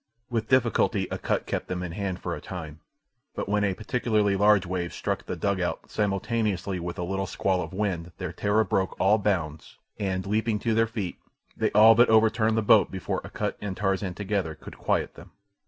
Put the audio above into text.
With difficulty Akut kept them in hand for a time; but when a particularly large wave struck the dugout simultaneously with a little squall of wind their terror broke all bounds, and, leaping to their feet, they all but overturned the boat before Akut and Tarzan together could quiet them.